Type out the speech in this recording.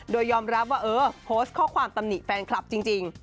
โดยยอมรับว่าเออโพสต์ข้อความตำหนิแฟนคลับจริง